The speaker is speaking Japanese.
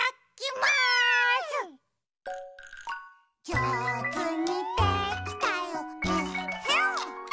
「じょうずにできたよえっへん」